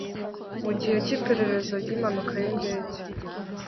mu gihe cy iperereza ry impanuka y indege